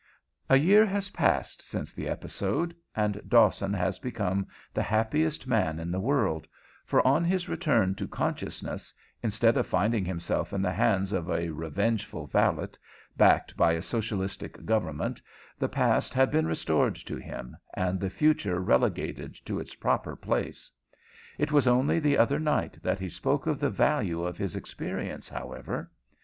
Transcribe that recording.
A year has passed since the episode, and Dawson has become the happiest man in the world, for on his return to consciousness, instead of finding himself in the hands of a revengeful valet, backed by a socialistic government, the past had been restored to him and the future relegated to its proper place. It was only the other night that he spoke of the value of his experience, however.